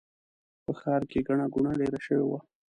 په ښار کې ګڼه ګوڼه ډېره شوې وه.